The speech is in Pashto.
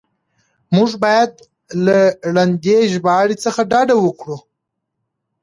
موږ بايد له ړندې ژباړې څخه ډډه وکړو.